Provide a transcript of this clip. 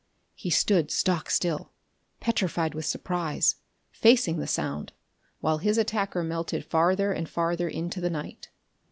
He stood stock still, petrified with surprise, facing the sound, while his attacker melted farther and farther into the night.